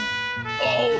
ああ！